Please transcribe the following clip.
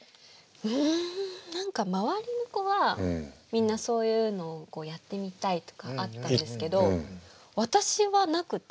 うん何か周りの子はみんなそういうのをやってみたいとかあったんですけど私はなくて。